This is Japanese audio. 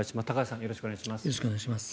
よろしくお願いします。